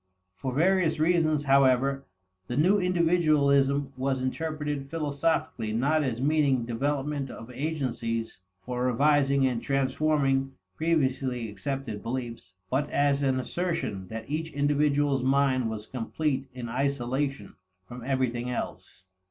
For various reasons, however, the new individualism was interpreted philosophically not as meaning development of agencies for revising and transforming previously accepted beliefs, but as an assertion that each individual's mind was complete in isolation from everything else.